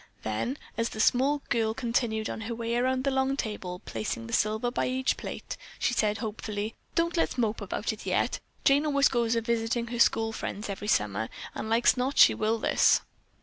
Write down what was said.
Then as the small girl continued on her way around the long table placing the silver by each plate, she said hopefully, "Don't let's mope about it yet. Jane always goes a visitin' her school friends every summer and like's not she will this."